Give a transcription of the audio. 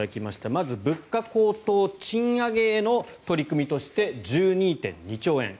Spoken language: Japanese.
まず、物価高騰賃上げへの取り組みとして１２．２兆円。